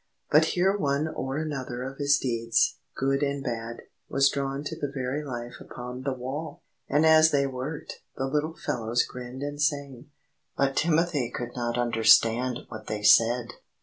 But here one or another of his deeds, good and bad, was drawn to the very life upon the wall! And as they worked, the little fellows grinned and sang, but Timothy could not understand what they said.